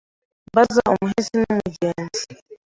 Mbaza umuhisi n’umugenzi